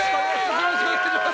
よろしくお願いします。